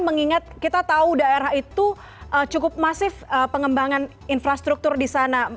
mengingat kita tahu daerah itu cukup masif pengembangan infrastruktur di sana